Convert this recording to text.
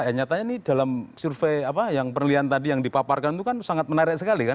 ya nyatanya ini dalam survei apa yang perlian tadi yang dipaparkan itu kan sangat menarik sekali kan